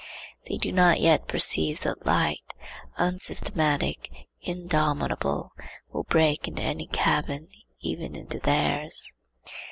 They do not yet perceive that light, unsystematic, indomitable, will break into any cabin, even into theirs.